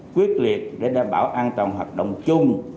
quyết liệt để đảm bảo an toàn hoạt động chung